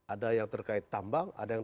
ada yang terkait tambang ada yang